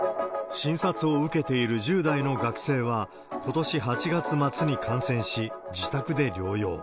診察を受けている１０代の学生は、ことし８月末に感染し、自宅で療養。